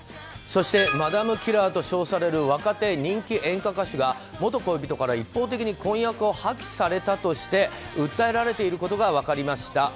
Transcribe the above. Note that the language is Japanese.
そしてマダムキラーと称される若手人気演歌歌手が元恋人から一方的に婚約を破棄されたとして訴えられていることが分かりました。